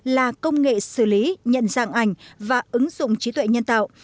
là công nghệ xử lý nhận dạng ảnh và ứng dụng trí tuệ nhân tạo